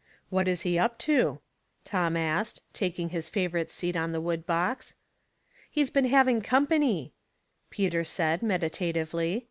*' What is he up to?" Tom asked, taking his favorite seat on the wood box. " He's been having company," Peter said, meditatively.